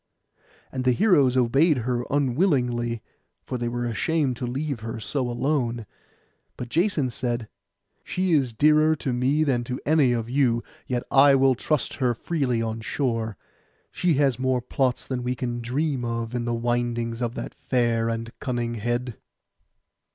And the heroes obeyed her unwillingly, for they were ashamed to leave her so alone; but Jason said, 'She is dearer to me than to any of you, yet I will trust her freely on shore; she has more plots than we can dream of in the windings of that fair and cunning head.